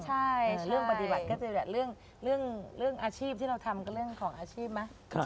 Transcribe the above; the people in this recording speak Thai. ในเรื่องปฏิบัติก็จะเรื่องอาชีพที่เราทำก็เรื่องของอาชีพไหม